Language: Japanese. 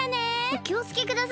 おきをつけください！